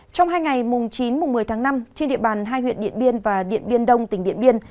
trong hai ngày mùng chín một mươi tháng năm trên địa bàn hai huyện điện biên và điện biên đông tỉnh điện biên